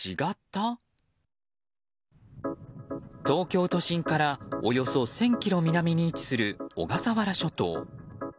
東京都心からおよそ１０００ｋｍ南に位置する小笠原諸島。